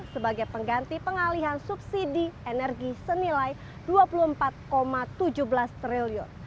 sebagai pengganti pengalihan subsidi energi senilai rp dua puluh empat tujuh belas triliun